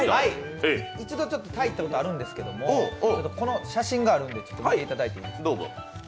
一度タイ行ったことあるんですけど、この写真があるんで見ていただいて。